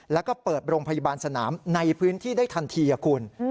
แล้วก็เปิดโรงพยาบาลสนามในพื้นที่ได้ทันทีคุณ